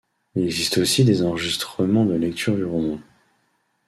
Il existe aussi des enregistrements de lectures du roman.